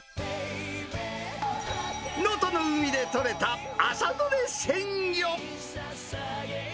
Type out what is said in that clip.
能登の海で取れた朝どれ鮮魚。